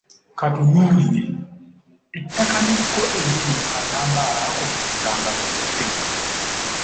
Katunuulire, ettaka n'ekko ebiri mu katambaala ako ogamba bivudde wa?